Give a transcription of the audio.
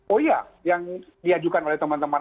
oh iya yang diajukan oleh teman teman